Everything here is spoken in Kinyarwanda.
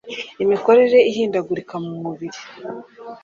Imikorere ihindagurika mu mubiri